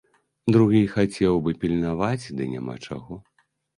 Другі і хацеў бы пільнаваць, ды няма чаго.